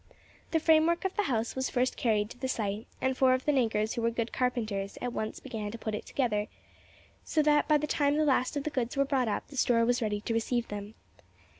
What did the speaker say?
The framework of the house was first carried to the site, and four of the negroes who were good carpenters at once began to put it together, so that by the time the last of the goods were brought up the store was ready to receive them.